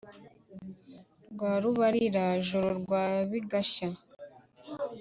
bwa rubarira-joro rwa bigashya,